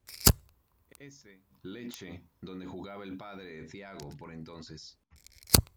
S. Lecce donde jugaba el padre de Thiago por entonces.